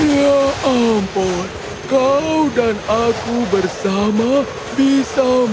ya ampun kau dan aku bersama bisa membuat